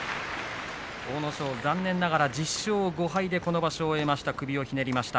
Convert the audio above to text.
阿武咲、残念ながら１０勝５敗でこの場所を終えました。